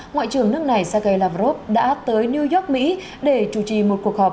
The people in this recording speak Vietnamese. ngoại trưởng nước này sergei lavrov đã tới new york mỹ để chủ trì một cuộc họp